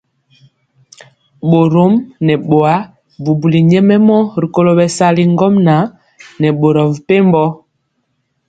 Borɔm nɛ bɔa bubuli nyɛmemɔ rikolo bɛsali ŋgomnaŋ nɛ boro mepempɔ.